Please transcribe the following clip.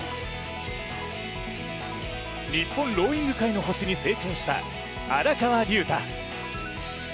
日本ローイング界の星に成長した荒川龍太。